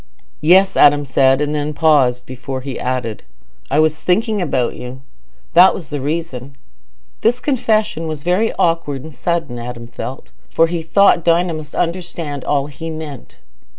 "Yes," Adam said, and then paused, before he added, "I was thinking about you: that was the reason." This confession was very awkward and sudden, Adam felt, for he thought Dinah must understand all he meant.